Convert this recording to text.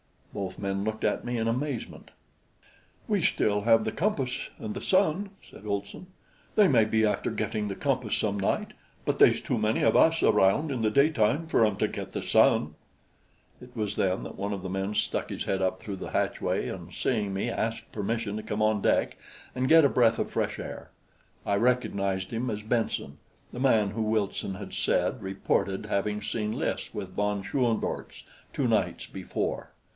Both men looked at me in amazement. "We still have the compass and the sun," said Olson. "They may be after getting the compass some night; but they's too many of us around in the daytime fer 'em to get the sun." It was then that one of the men stuck his head up through the hatchway and seeing me, asked permission to come on deck and get a breath of fresh air. I recognized him as Benson, the man who, Wilson had said, reported having seen Lys with von Schoenvorts two nights before.